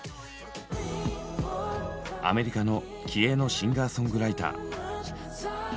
アメリカの気鋭のシンガーソングライター。